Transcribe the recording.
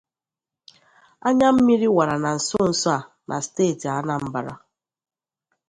Anyammiri wàrà na nsonso a na steeti Anambra